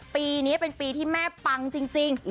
ปีนี้เป็นปีที่แม่ปังจริง